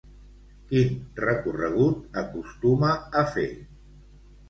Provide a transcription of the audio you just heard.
Quin recorregut acostuma a fer?